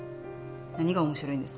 何が面白いんですか？